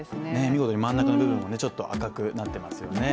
見事に真ん中の部分もちょっと赤くなっていますよね。